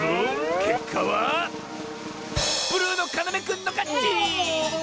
けっかはブルーのかなめくんのかち！